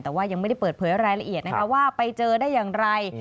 แต่ว่ายังไม่ได้เปิดเผยรายละเอียดนะคะว่าไปเจอได้อย่างไร